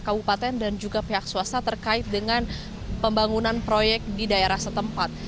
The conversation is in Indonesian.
kabupaten dan juga pihak swasta terkait dengan pembangunan proyek di daerah setempat